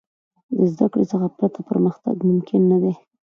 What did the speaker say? د زدهکړې څخه پرته، پرمختګ ممکن نه دی.